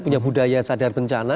punya budaya sadar bencana